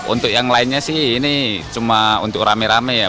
untuk yang lainnya sih ini cuma untuk rame rame ya